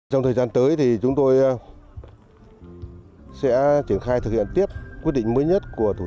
trong thời gian tới thì chúng tôi sẽ triển khai thực hiện tiếp quyết định mới nhất của thủ tướng